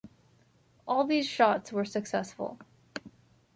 All these shots were successful.